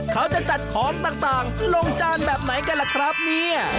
เขาจะจัดของต่างลงจานแบบไหนกันล่ะครับเนี่ย